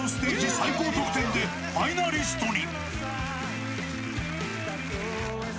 最高得点でファイナリストに。